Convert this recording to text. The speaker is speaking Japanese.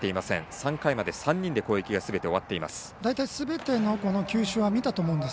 ３回まで３人で攻撃がすべて終わっています。